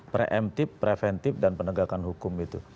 preemptif preventif dan penegakan hukum itu